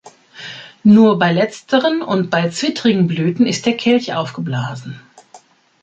Nur bei letzteren und bei zwittrigen Blüten ist der Kelch aufgeblasen.